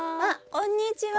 こんにちは。